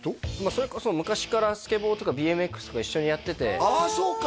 それこそ昔からスケボーとかＢＭＸとか一緒にやっててああそうか！